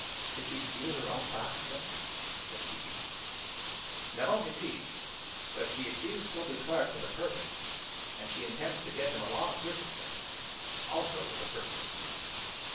"Did she steal her own box, then?" said Phoebe. "No, indeed; but she accused Toby Clark with a purpose, and she intends to get him a long prison sentence also with a purpose."